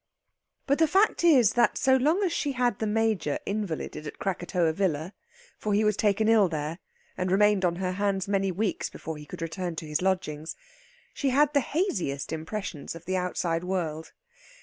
But the fact is that so long as she had the Major invalided at Krakatoa Villa (for he was taken ill there, and remained on her hands many weeks before he could return to his lodgings) she had the haziest impressions of the outside world.